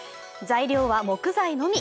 材料は木材のみ。